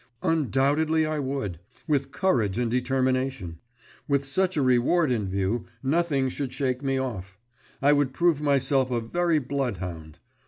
"Undoubtedly I would, with courage and determination. With such a reward in view, nothing should shake me off. I would prove myself a very bloodhound.